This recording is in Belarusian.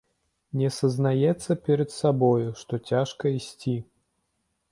Не сазнаецца перад сабою, што цяжка ісці.